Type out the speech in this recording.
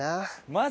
マジ？